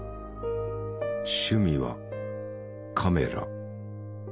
趣味はカメラ。